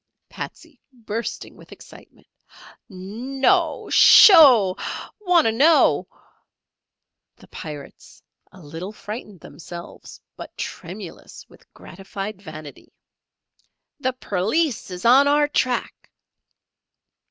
Patsey (bursting with excitement). "No'o! Sho'o! Wanter know." The Pirates (a little frightened themselves, but tremulous with gratified vanity). "The Perleese is on our track!"